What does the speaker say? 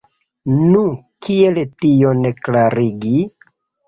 Nu, kiel tion klarigi?